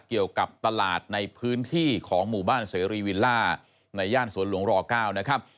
เกี่ยวกับตลาดในพื้นที่ของหมู่บ้านเสรีวิลล่าในย่านสวนหลวงร๙นะครับ